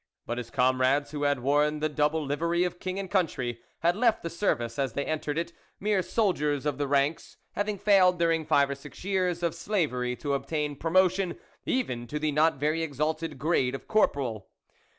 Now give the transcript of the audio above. But his comrades who had worn the double livery of king and country, had left the service as they entered it, mere soldiers of the ranks, having failed during five or six years of slavery to obtain promotion, even to the not very exalted grade of corporal.